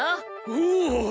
おお！